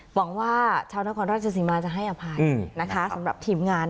หวังว่าเช้านักความรักเจ้าสิมมาจะให้อภัยนะคะสำหรับทีมงาน